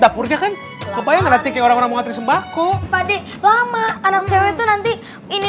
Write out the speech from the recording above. dapurnya kan kebayang nanti kayak orang orang mau ngatur sembako pade lama anak cewek itu nanti ini